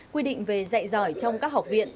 quy định về dạy giỏi trong các học viện